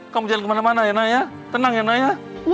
kamu jangan kemana mana ya nak ya tenang ya nak ya